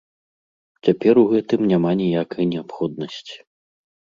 Цяпер у гэтым няма ніякай неабходнасці.